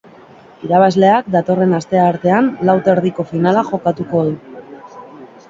Irabazleak datorren asteartean lau terdiko finala jokatuko du.